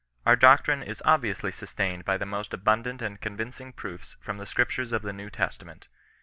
Our doctrine is obviously sus tained by the most abundant and convincing proofs from the scriptures of the New Testament.